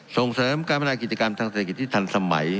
ส่งเสริมการพัฒนากิจกรรมทางเศรษฐกิจที่ทันสมัย